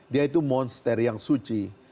dia itu monster yang suci